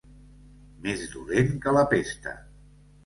Més dolent que la pesta.